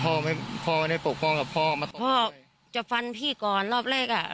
พ่อไม่พ่อไม่ได้ปกป้องกับพ่อมาก่อนพ่อจะฟันพี่ก่อนรอบแรกอ่ะ